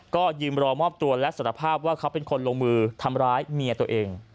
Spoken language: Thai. ก็ยืมรอมอบตัวและสารภาพว่าเขาเป็นคนลงมือทำร้ายเมียตัวเอง